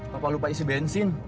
papa lupa isi bensin